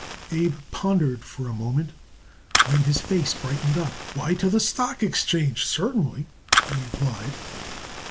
Abe pondered for a moment, then his face brightened up. "Why, to the stock exchange, certainly," he replied.